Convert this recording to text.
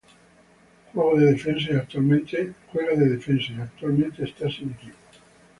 Juega de defensa y actualmente está sin equipo.